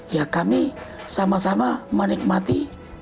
ya kami sama sama menikmati